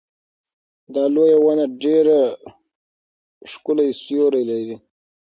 دا لویه ونه ډېر ښکلی سیوری لري.